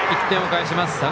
１点を返します。